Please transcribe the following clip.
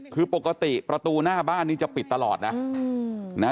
คือปกติประตูหน้าบ้านนี้จะปิดตลอดนะ